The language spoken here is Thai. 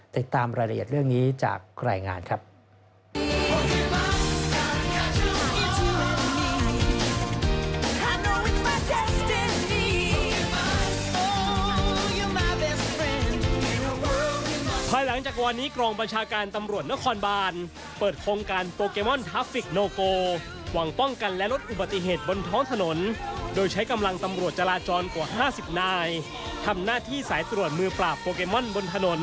ติดตามรายละเอียดเรื่องนี้จากรายงานครับ